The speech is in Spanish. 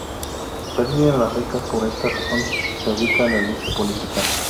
Perdida la beca por esta razón, se dedica a la lucha política.